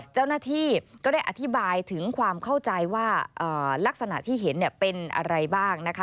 เจ้าหน้าที่ก็ได้อธิบายถึงความเข้าใจว่าลักษณะที่เห็นเป็นอะไรบ้างนะคะ